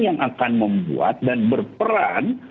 yang akan membuat dan berperan